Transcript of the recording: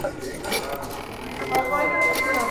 ژبي سل ځايه زخمي د شهبازونو.